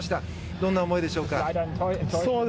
どんな思いでしょうか？